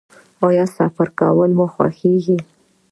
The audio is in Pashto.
ایا سفر کول مو خوښیږي؟